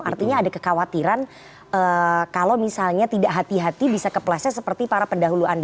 artinya ada kekhawatiran kalau misalnya tidak hati hati bisa kepleset seperti para pendahulu anda